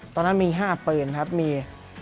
ตอนนั้นมี๕ปืนครับมี